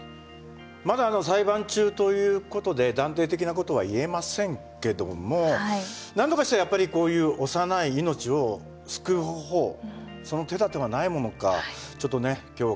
まだ裁判中ということで断定的なことは言えませんけどもなんとかしてやっぱりこういう幼い命を救う方法その手だてはないものかちょっとね今日考えていきたいと思います。